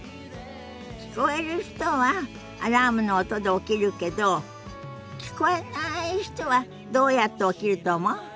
聞こえる人はアラームの音で起きるけど聞こえない人はどうやって起きると思う？